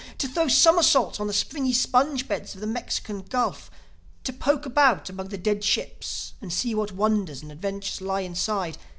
To throw somersaults on the springy sponge beds of the Mexican Gulf! To poke about among the dead ships and see what wonders and adventures lie inside!